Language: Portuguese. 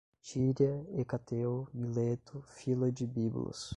tíria, Hecateu, Mileto, Filo de Biblos